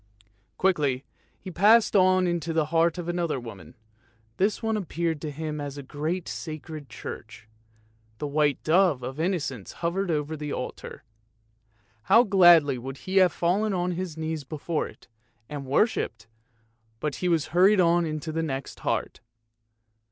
Quickly he passed on into the heart of another woman; this one appeared to him as a great sacred church. The white dove of Innocence hovered over the altar. How gladly would he have fallen on his knees before it, and worshipped, but he was hurried on into the next heart.